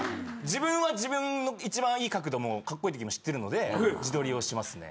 自分は自分の一番いい角度もカッコいいときも知ってるので自撮りをしますね。